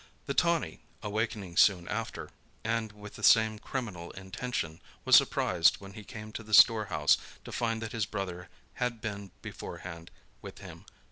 The tawny, awaking soon after, and with the same criminal intention, was surprised when he came to the store house to find that his brother had been beforehand with him.